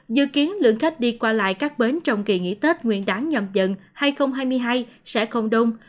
dự kiến lượng khách đi qua lại các bến trong kỳ nghỉ tết nguyên đáng nhầm dần hai nghìn hai mươi hai sẽ không đông